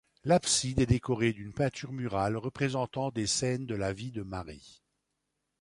L'abside est décorée d'une peinture murale représentant des scènes de la vie de Marie.